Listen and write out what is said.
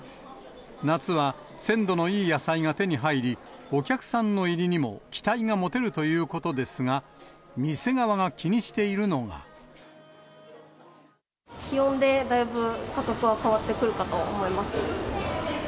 夏は鮮度のいい野菜が手に入り、お客さんの入りにも期待が持てるということですが、店側が気にし気温でだいぶ、価格は変わってくるかと思います。